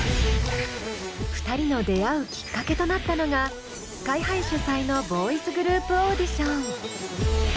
２人の出会うきっかけとなったのがＳＫＹ−ＨＩ主催のボーイズグループオーディション。